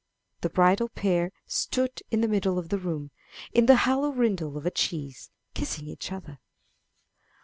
The bridal pair stood in the middle of the room, in the hollow rind of a cheese, kissing each other.